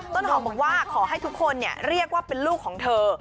ต้นหอมบอกว่าขอให้ทุกคนเรียกว่าเป็นลูกของเธอ